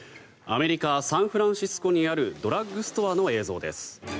アメリカ・サンフランシスコにあるドラッグストアの映像です。